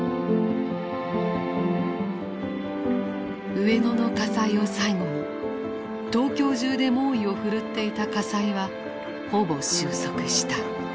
上野の火災を最後に東京中で猛威を振るっていた火災はほぼ収束した。